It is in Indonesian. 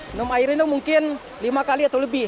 menemui air ini mungkin lima kali atau lebih